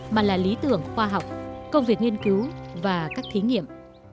mà là lý tưởng khoa học công việc nghiên cứu và các thí nghiệm